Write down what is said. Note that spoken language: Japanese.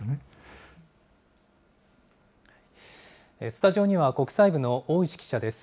スタジオには国際部の大石記者です。